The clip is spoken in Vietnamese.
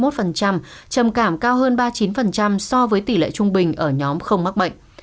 trầm cảm cao hơn ba mươi chín so với tỷ lệ trung bình ở nhóm không mắc bệnh